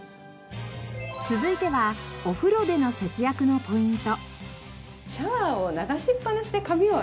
続いてはお風呂での節約のポイント。